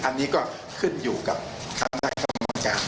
อันนี้ก็ขึ้นอยู่กับคณะกรรมการ